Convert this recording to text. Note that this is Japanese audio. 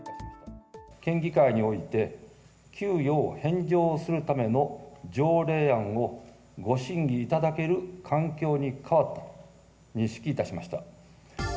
県議会において、給与を返上するための条例案をご審議いただける環境に変わったと認識いたしました。